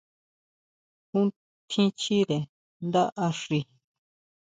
¿Ju tjín chire ndá axi?